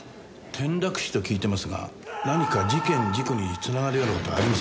転落死と聞いてますが何か事件事故に繋がるような事はありませんでしたか？